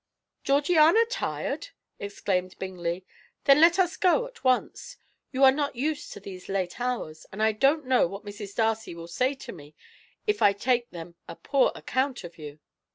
"Georgiana tired?" exclaimed Bingley; "then let us go at once. You are not used to these late hours, and I don't know what Mrs. Darcy will say to me if I take them a poor account of you.